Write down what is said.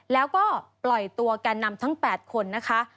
แล้วก็ปล่อยตัวแก่นำทั้ง๘คนนะคะ